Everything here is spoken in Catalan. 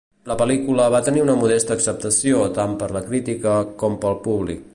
La pel·lícula va tenir una modesta acceptació tant per la crítica, com pel públic.